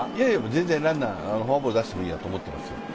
全然ランナーはフォアボール出してもいいやと思ってますよ。